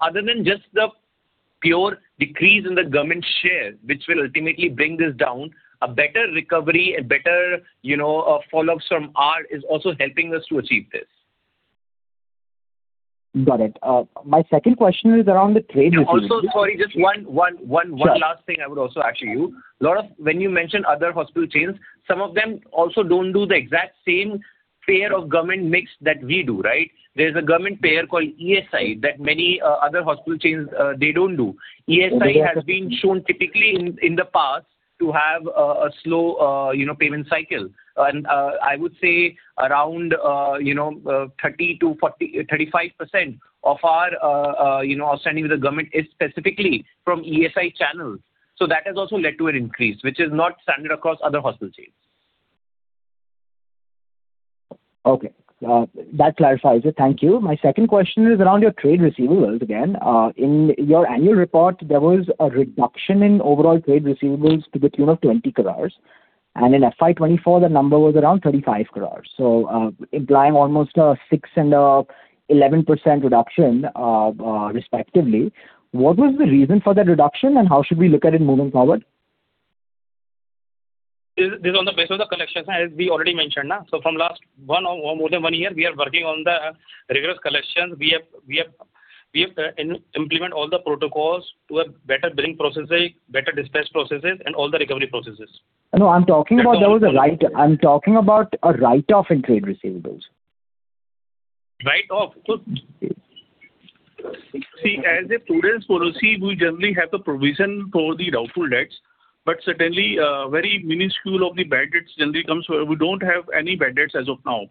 Other than just the pure decrease in the government share, which will ultimately bring this down, a better recovery and better follow-ups from ours is also helping us to achieve this. Got it. My second question is around the trade receivables. And also, sorry, just one last thing I would also ask you. When you mentioned other hospital chains, some of them also don't do the exact same payer/government mix that we do, right? There's a government payer called ESI that many other hospital chains, they don't do. ESI has been shown typically in the past to have a slow payment cycle. And I would say around 30%-35% of our outstanding with the government is specifically from ESI channels. So, that has also led to an increase, which is not standard across other hospital chains. Okay. That clarifies it. Thank you. My second question is around your trade receivables again. In your annual report, there was a reduction in overall trade receivables to the tune of 20 crore. In FY 2024, the number was around 35 crore. Implying almost a 6% and an 11% reduction, respectively. What was the reason for that reduction, and how should we look at it moving forward? This is on the basis of the collections, as we already mentioned, no? So, from last one or more than one year, we are working on the rigorous collections. We have implemented all the protocols to have better billing processes, better dispatch processes, and all the recovery processes. No, I'm talking about a write-off in trade receivables. Write-off? So, see, as a prudence policy, we generally have a provision for the doubtful debts. But certainly, very minuscule of the bad debts generally comes from we don't have any bad debts as of now.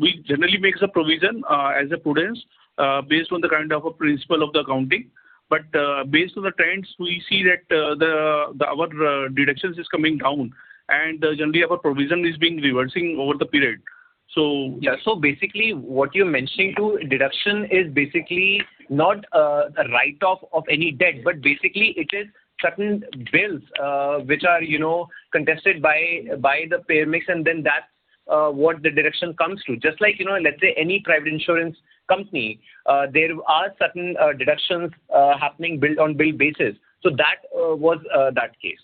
We generally make a provision as a prudence based on the kind of principle of the accounting. But based on the trends, we see that our deductions are coming down. And generally, our provision is being reversing over the period. So. Yeah. So, basically, what you're mentioning too, deduction is basically not a write-off of any debt, but basically, it is certain bills which are contested by the payer mix, and then that's what the deduction comes to. Just like, let's say, any private insurance company, there are certain deductions happening on a bill basis. So, that was that case.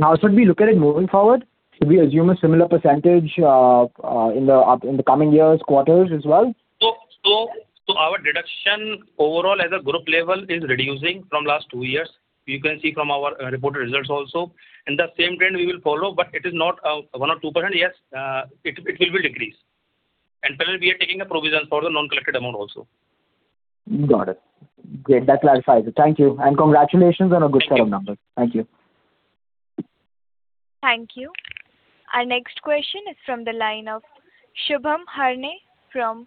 How should we look at it moving forward? Should we assume a similar percentage in the coming years, quarters as well? Our deduction overall at the group level is reducing from last two years. You can see from our reported results also. The same trend we will follow, but it is not 1% or 2%. Yes, it will decrease. Parallel, we are taking a provision for the non-collected amount also. Got it. Great. That clarifies it. Thank you. And congratulations on a good set of numbers. Thank you. Thank you. Our next question is from the line of Shubham Harne from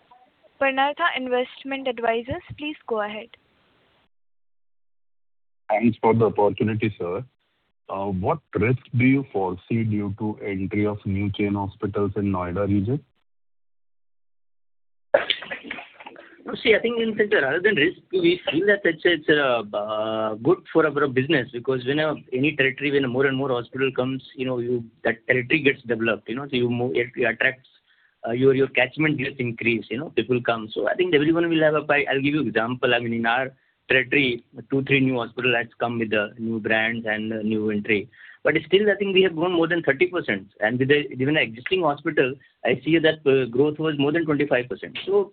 Purnartha Investment Advisors. Please go ahead. Thanks for the opportunity, sir. What risks do you foresee due to the entry of new chain hospitals in the Noida region? So, see, I think instead rather than risk, we feel that it's good for our business because when any territory when more and more hospitals come, that territory gets developed. So, your catchment rates increase. People come. So, I think everyone will have a—I'll give you an example. I mean, in our territory, two, three new hospitals have come with new brands and new entry. But still, I think we have grown more than 30%. And with an existing hospital, I see that growth was more than 25%.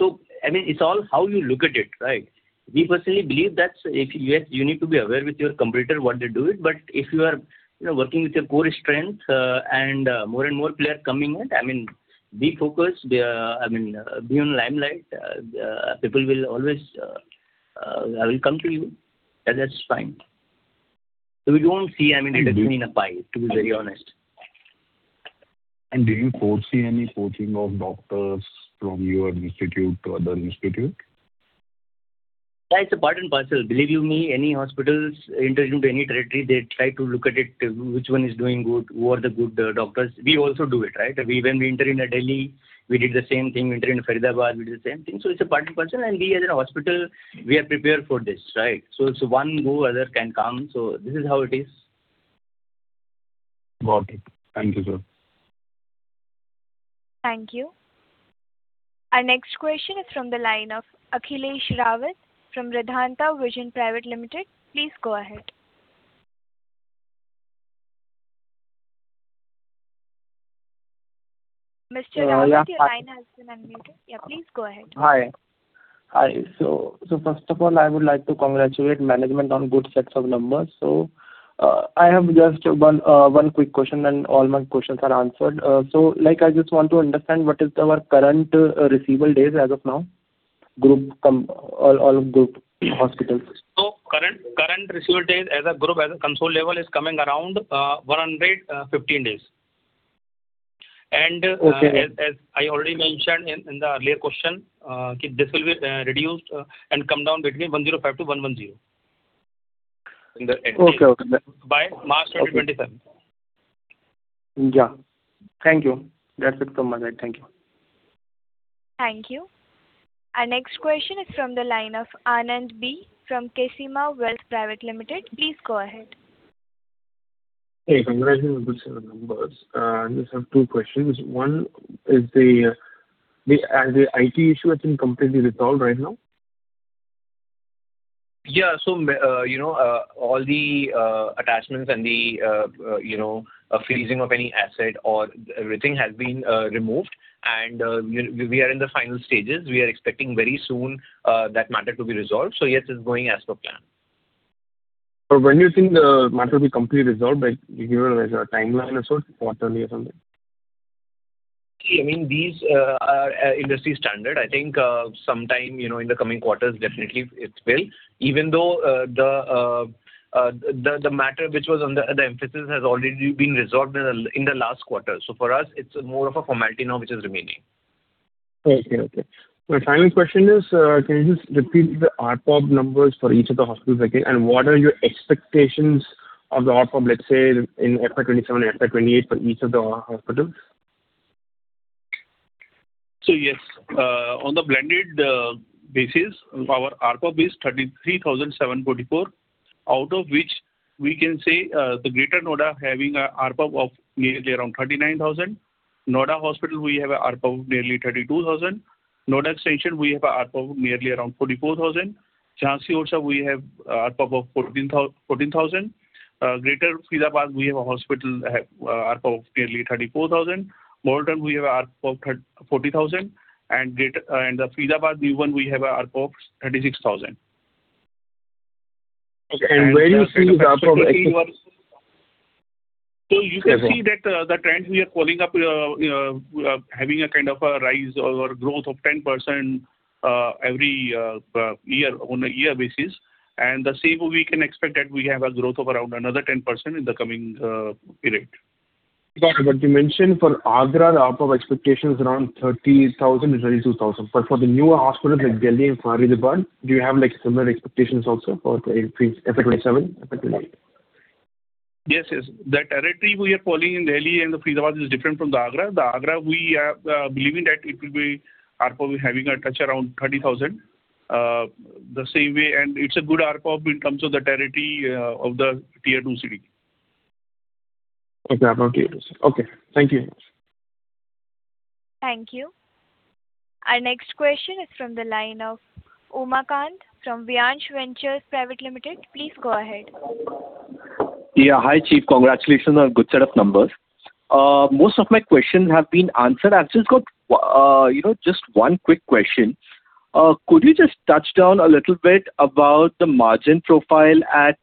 So, I mean, it's all how you look at it, right? We personally believe that yes, you need to be aware with your competitor what they do. But if you are working with your core strength and more and more players coming in, I mean, be focused. I mean, be in the limelight. People will always come to you. That's fine. We don't see, I mean, deduction in a pie, to be very honest. Do you foresee any pushing of doctors from your institute to other institute? Yeah, it's a part and parcel. Believe you me, any hospitals entering into any territory, they try to look at which one is doing good, who are the good doctors. We also do it, right? When we enter in Delhi, we did the same thing. We enter in Faridabad, we did the same thing. So, it's a part and parcel. And we, as a hospital, we are prepared for this, right? So, it's one go, other can come. So, this is how it is. Got it. Thank you, sir. Thank you. Our next question is from the line of Akhilesh Rawat from Ridhanta Vision Private Limited. Please go ahead. Mr. Rawat, your line has been unmuted. Yeah, please go ahead. Hi. Hi. So, first of all, I would like to congratulate management on good sets of numbers. So, I have just one quick question, and all my questions are answered. So, I just want to understand what are our current receivable days as of now. Group, all group hospitals. Current receivable days as a group, as a consolidated level, is coming around 115 days. As I already mentioned in the earlier question, this will be reduced and come down between 105-110 by March 2027. Yeah. Thank you. That's it from my side. Thank you. Thank you. Our next question is from the line of Anand B from KSEMA Wealth Management. Please go ahead. Hey, congratulations on good set of numbers. I just have two questions. One, is the IT issue completely resolved right now? Yeah. So, all the attachments and the freezing of any asset or everything has been removed. And we are in the final stages. We are expecting very soon that matter to be resolved. So, yes, it's going as per plan. When do you think the matter will be completely resolved? You gave us a timeline or so, quarterly or something. See, I mean, these are industry standard. I think sometime in the coming quarters, definitely, it will. Even though the matter which was under the emphasis has already been resolved in the last quarter. So, for us, it's more of a formality now which is remaining. Okay. Okay. My final question is, can you just repeat the ARPOB numbers for each of the hospitals again? What are your expectations of the ARPOB, let's say, in FY27 and FY28 for each of the hospitals? So, yes. On a blended basis, our RPOB is 33,744, out of which we can say the Greater Noida having an RPOB of nearly around 39,000. Noida Hospital, we have an RPOB of nearly 32,000. Noida Extension, we have an RPOB of nearly around 44,000. Jhansi Orchha, we have an RPOB of 14,000. Greater Faridabad, we have a hospital have an RPOB of nearly 34,000. Model Town, we have an RPOB of 40,000. And the Faridabad new one, we have an RPOB of 36,000. Okay. Where do you see the RPOB actually? You can see that the trend we are following up having a kind of a rise or growth of 10% every year on a year basis. The same way, we can expect that we have a growth of around another 10% in the coming period. Got it. But you mentioned for Agra, the RPOB expectation is around 30,000-32,000. But for the newer hospitals like Delhi and Faridabad, do you have similar expectations also for FY 2027, FY 2028? Yes, yes. The territory we are following in Delhi and the Faridabad is different from the Agra. The Agra, we are believing that it will be ARPOB having a touch around 30,000 the same way. And it's a good ARPOB in terms of the territory of the Tier 2 city. Okay. ARPOB of Tier 2 city. Okay. Thank you. Thank you. Our next question is from the line of Umakant from Viansh Ventures Private Limited. Please go ahead. Yeah. Hi, Chief. Congratulations on a good set of numbers. Most of my questions have been answered. I've just got just one quick question. Could you just touch down a little bit about the margin profile at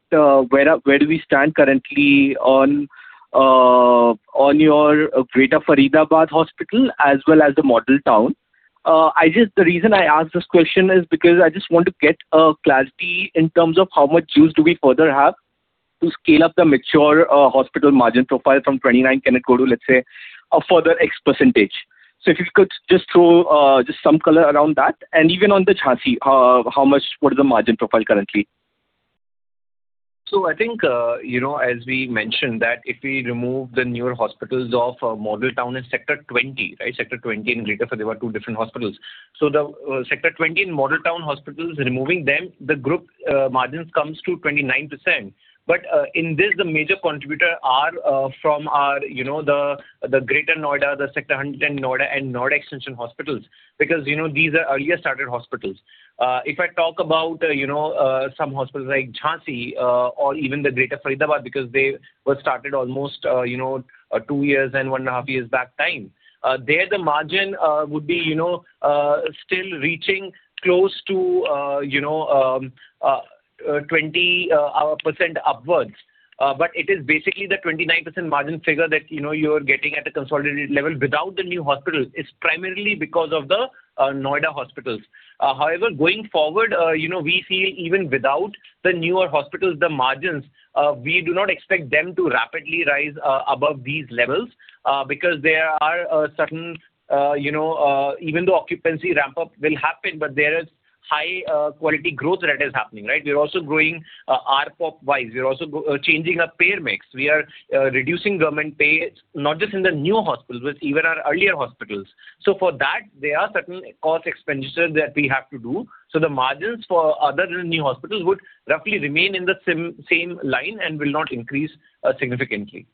where do we stand currently on your Greater Faridabad Hospital as well as the Model Town? The reason I ask this question is because I just want to get clarity in terms of how much use do we further have to scale up the mature hospital margin profile from 29%? Can it go to, let's say, a further X percentage? So, if you could just throw just some color around that. And even on the Jhansi, what is the margin profile currently? So, I think as we mentioned, that if we remove the newer hospitals of Model Town, it's Sector 20, right? Sector 20 and Greater Faridabad, two different hospitals. So, Sector 20 and Model Town hospitals, removing them, the group margins come to 29%. But in this, the major contributor are from the Greater Noida, the Sector 100 and Noida, and Noida Extension hospitals because these are earlier started hospitals. If I talk about some hospitals like Jhansi or even the Greater Faridabad because they were started almost 2 years and 1.5 years back time, there, the margin would be still reaching close to 20% upwards. But it is basically the 29% margin figure that you're getting at a consolidated level without the new hospital is primarily because of the Noida hospitals. However, going forward, we feel even without the newer hospitals, the margins, we do not expect them to rapidly rise above these levels because there are certain even though occupancy ramp-up will happen, but there is high-quality growth that is happening, right? We're also growing ARPOB-wise. We're also changing our payer mix. We are reducing government pay, not just in the new hospitals, but even our earlier hospitals. So, for that, there are certain cost expenditures that we have to do. So, the margins for other new hospitals would roughly remain in the same line and will not increase significantly.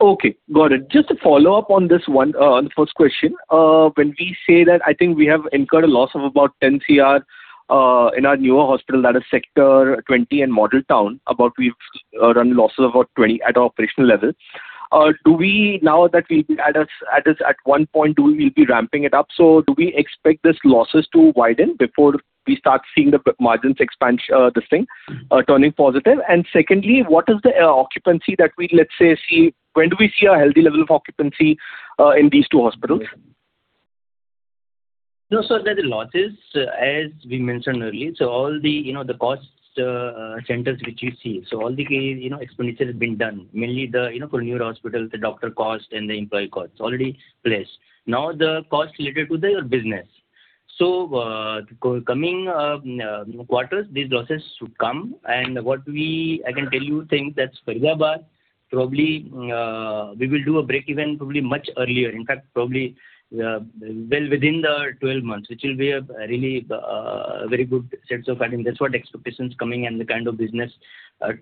Okay. Got it. Just to follow up on this one, on the first question, when we say that I think we have incurred a loss of about 10 crore in our newer hospital, that is Sector 20 and Model Town, about we've run losses of about 20 crore at our operational level. Now that we'll be at this at one point, we'll be ramping it up. So, do we expect these losses to widen before we start seeing the margins expand this thing, turning positive? And secondly, what is the occupancy that we, let's say, see when do we see a healthy level of occupancy in these two hospitals? No, sir, the largest, as we mentioned earlier, so all the cost centers which you see, so all the expenditures have been done, mainly for newer hospitals, the doctor cost and the employee cost, already placed. Now, the cost related to your business. So, coming quarters, these losses should come. And what I can tell you, I think that's Faridabad, probably we will do a break-even probably much earlier. In fact, probably well within the 12 months, which will be a really very good sets of, I mean, that's what expectation is coming and the kind of business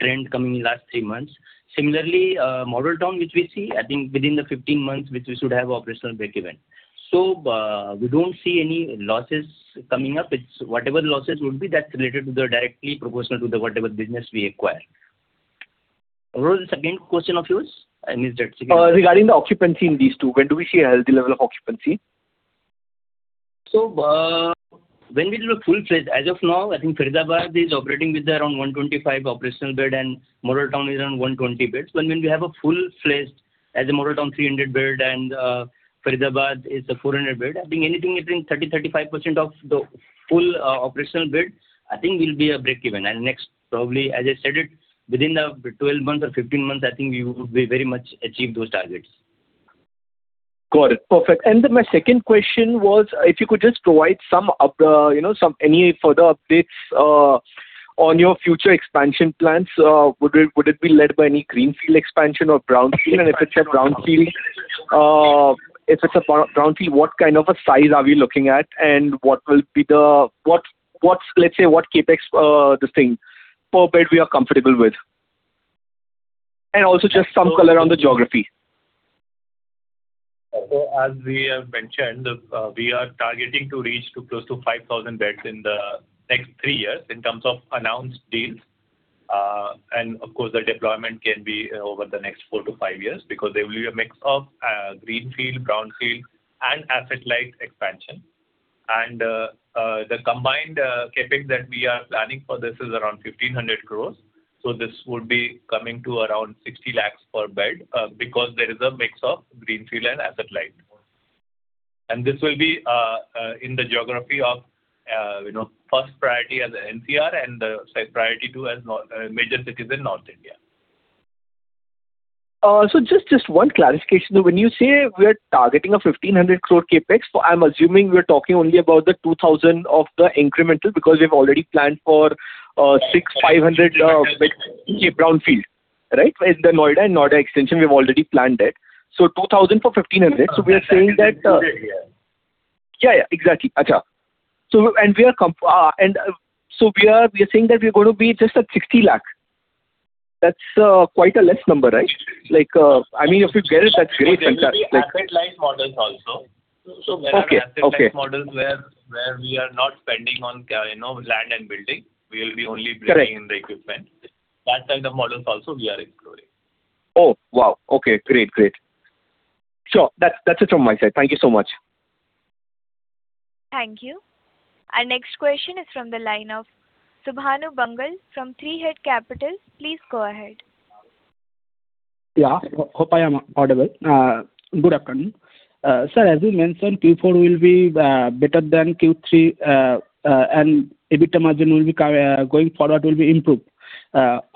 trend coming in the last three months. Similarly, Model Town, which we see, I think within the 15 months, which we should have an operational break-even. So, we don't see any losses coming up. Whatever losses would be, that's related to the directly proportional to whatever business we acquire. What was the second question of yours? I missed that. Regarding the occupancy in these two, when do we see a healthy level of occupancy? So, when we do a full-fledged as of now, I think Faridabad is operating with around 125 operational beds and Model Town is around 120 beds. But when we have a full-fledged as a Model Town 300-bed and Faridabad is a 400-bed, I think anything between 30%-35% of the full operational bed, I think will be a break-even. And next, probably, as I said it, within the 12 months or 15 months, I think we would very much achieve those targets. Got it. Perfect. My second question was, if you could just provide some any further updates on your future expansion plans, would it be led by any greenfield expansion or brownfield? And if it's a brownfield, if it's a brownfield, what kind of a size are we looking at? And what will be the, let's say, what Capex this thing per bed we are comfortable with? And also just some color on the geography. As we have mentioned, we are targeting to reach close to 5,000 beds in the next three years in terms of announced deals. Of course, the deployment can be over the next four to five years because there will be a mix of greenfield, brownfield, and asset-light expansion. The combined Capex that we are planning for this is around 1,500 crore. This would be coming to around 60 lakh per bed because there is a mix of greenfield and asset-light. This will be in the geography of first priority as NCR and the second priority, too, as major cities in North India. So, just one clarification. When you say we are targeting an 1,500 crore Capex, I'm assuming we are talking only about the 2,000 of the incremental because we've already planned for 6,500 brownfield, right? In the Noida and Noida Extension, we've already planned it. So, 2,000 for 1,500. So, we are saying that. Yeah. Yeah, yeah. Exactly. Ajay. And so we are saying that we're going to be just at 60 lakhs. That's quite a less number, right? I mean, if we get it, that's great. Yeah. And there are asset-light models also. So, there are asset-light models where we are not spending on land and building. We will be only bringing in the equipment. That type of models also, we are exploring. Oh, wow. Okay. Great, great. Sure. That's it from my side. Thank you so much. Thank you. Our next question is from the line of Shubhanu Bangal from 3Head Capital. Please go ahead. Yeah. Hope I am audible. Good afternoon. Sir, as you mentioned, Q4 will be better than Q3, and EBITDA margin will be going forward will be improved.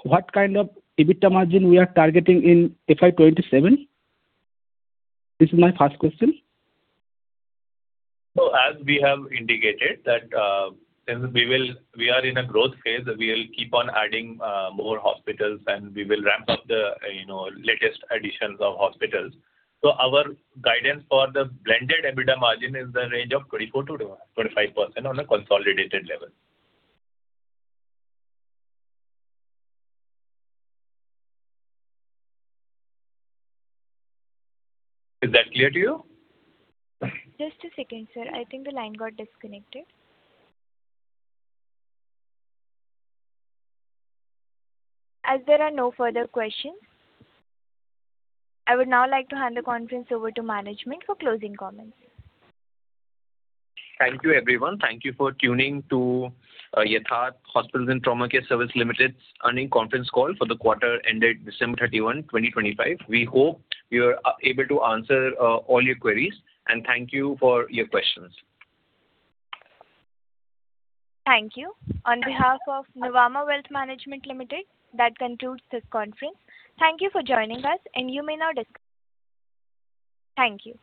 What kind of EBITDA margin we are targeting in FY27? This is my first question. As we have indicated, we are in a growth phase. We will keep on adding more hospitals, and we will ramp up the latest additions of hospitals. Our guidance for the blended EBITDA margin is the range of 24%-25% on a consolidated level. Is that clear to you? Just a second, sir. I think the line got disconnected. As there are no further questions, I would now like to hand the conference over to management for closing comments. Thank you, everyone. Thank you for tuning to Yatharth Hospital & Trauma Care Services Limited's earnings conference call for the quarter ended December 31, 2025. We hope we were able to answer all your queries. And thank you for your questions. Thank you. On behalf of Nuvama Wealth Management Limited, that concludes this conference. Thank you for joining us, and you may now discuss. Thank you.